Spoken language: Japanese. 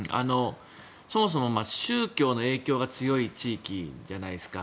そもそも宗教の影響が強い地域じゃないですか。